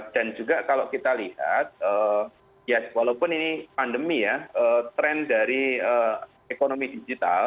dan juga kalau kita lihat walaupun ini pandemi ya trend dari ekonomi digital